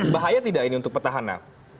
bahaya tidak ini untuk petahana